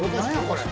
これ。